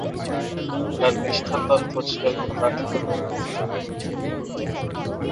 তার পৃষ্ঠতল পরিষ্কার রাখতে হবে, যত্ন করতে হবে।